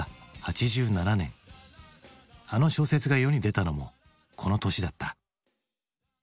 あの小説が世に出たのもこの年だった。